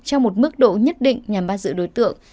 trong một mức độ nhất định nhằm bắt giữ đối tượng